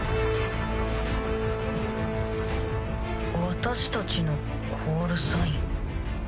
私たちのコールサイン？